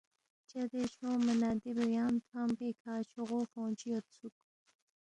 چدے چھونگما نہ دے بیام تھنگ پیکھہ چھوغو فونگ چی یودسوُک